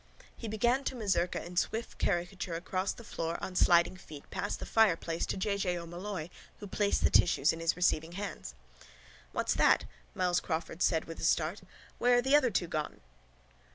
He began to mazurka in swift caricature across the floor on sliding feet past the fireplace to J. J. O'Molloy who placed the tissues in his receiving hands. —What's that? Myles Crawford said with a start. Where are the other two gone?